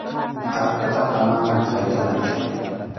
Allqutaqa manam haytʼanachu.